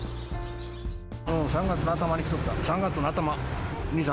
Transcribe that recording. ３月の頭に来とった、３月の頭。